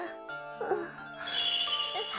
ああ。